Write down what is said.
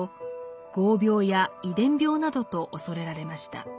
業病や遺伝病などと恐れられました。